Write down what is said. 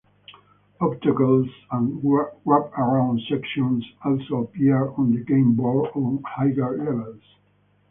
Obstacles and wrap-around sections also appear on the game board on higher levels.